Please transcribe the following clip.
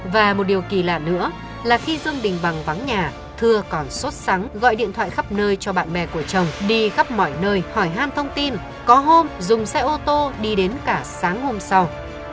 và một điều kỳ lạ nữa là khi dương đình bằng vắng nhà thưa còn xuất sáng gọi điện thoại khắp nơi cho bạn bè của chồng đi khắp mọi nơi hỏi han thông tin có hôm dùng xe ô tô đi đến cả sáng hôm sau